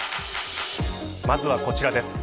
まずはこちらです。